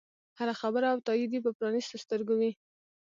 هره خبره او تایید یې په پرانیستو سترګو وي.